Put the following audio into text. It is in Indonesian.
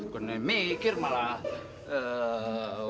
gue nih mikir malah eee